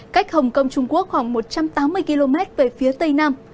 cách hồng kông trung quốc khoảng một trăm tám mươi km về phía tây nam